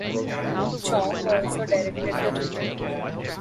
Chong also directed the film.